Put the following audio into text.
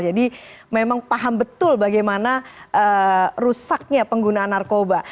jadi memang paham betul bagaimana rusaknya penggunaan narkoba